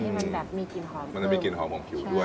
ให้มันแบบมีกลิ่นหอมคือด้วยใช่แล้ว